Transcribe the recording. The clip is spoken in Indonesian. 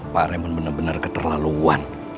pak remon bener bener keterlaluan